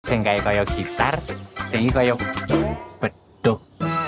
seenggak kayak gitar seenggak kayak pedok